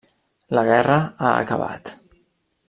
La guerra ha acabat.